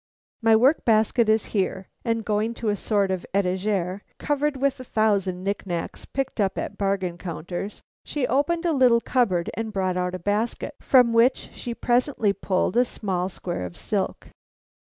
"My work basket is here." And going to a sort of etagère covered with a thousand knick knacks picked up at bargain counters, she opened a little cupboard and brought out a basket, from which she presently pulled a small square of silk.